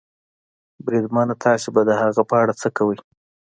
بریدمنه، تاسې به د هغه په اړه څه کوئ؟